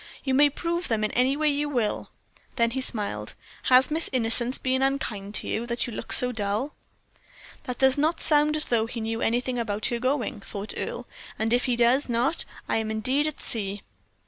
"You may prove them in any way you will." Then he smiled. "Has Miss Innocence been unkind to you, that you look so dull?" "That does not sound as though he knew anything about her going," thought Earle; "and if he does not, I am indeed at sea."